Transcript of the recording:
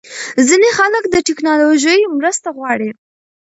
ځینې خلک د ټېکنالوژۍ مرسته غواړي.